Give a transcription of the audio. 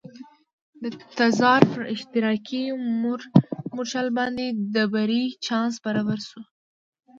د تزار پر اشتراکي مورچل باندې د بري چانس برابر شو.